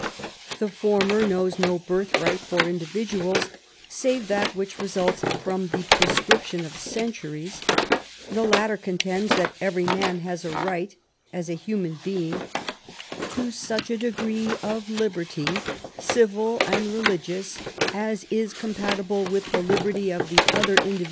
The former knows no birthright for individuals save that which results from the prescription of centuries ; the latter contends that every man has a right, as a human being, to '^ such a degree of liberty, civil and religious, as is compatible with the liberty of the other indivi »; 88 MABT W0LL8T0NEGBAFT GODWIN.